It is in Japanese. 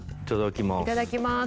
いただきます。